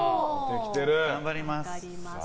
頑張ります。